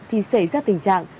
thì xảy ra tình trạng